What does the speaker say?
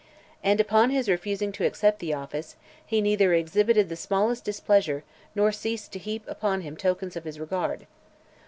And upon his refusing to accept the office, he neither exhibited the smallest displeasure, nor ceased to heap upon him tokens of his regard.